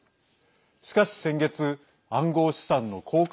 しかし、先月暗号資産の交換